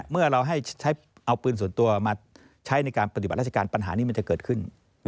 เมื่อเราให้ใช้เอาปืนส่วนตัวมาใช้ในการปฏิบัติราชการปัญหานี้มันจะเกิดขึ้น